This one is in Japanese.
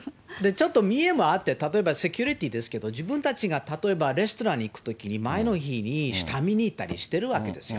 ちょっとみえもあって、例えばセキュリティですけど、自分たちが例えばレストランに行くときに、前の日に下見に行ったりしてるわけですよ。